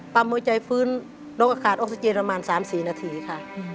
มวยใจฟื้นน้องก็ขาดออกซิเจนประมาณ๓๔นาทีค่ะ